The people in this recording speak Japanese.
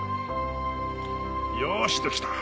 よーしできた。